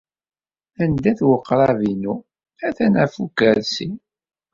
Anda-t weqrab-inu? Atan ɣef ukersi.